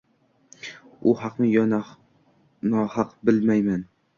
U haqmi yo nohaqbilmayman